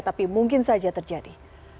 tapi mungkin saja terjadi